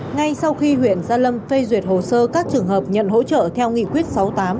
ngay sau khi huyện gia lâm phê duyệt hồ sơ các trường hợp nhận hỗ trợ theo nghị quyết sáu mươi tám